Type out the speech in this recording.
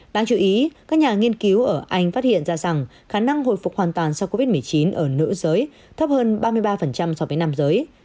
đáng chú ý các nhà nghiên cứu ở anh phát hiện ra rằng khả năng hồi phục hoàn toàn sau covid một mươi chín ở nữ giới thấp hơn ba mươi ba so với nam giới